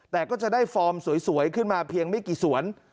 แต่ก็จะได้ฟอร์มสวยขึ้นมาเพียงไม่กี่สวน